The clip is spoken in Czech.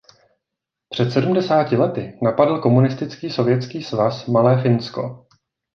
Před sedmdesáti lety napadl komunistický Sovětský svaz malé Finsko.